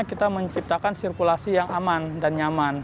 kita menciptakan sirkulasi yang aman dan nyaman